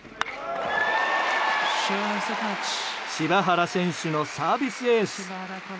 柴原選手のサービスエース。